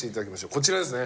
こちらですね。